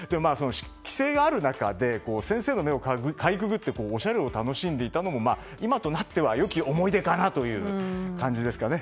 規制がある中で先生の目をかいくぐっておしゃれを楽しんでいたのも今となっては良き思い出かなという感じですかね。